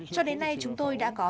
cho đến nay chúng tôi đã có